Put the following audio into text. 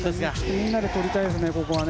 みんなでとりたいですね。